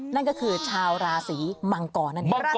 นั่นก็คือชาวราศีมังกร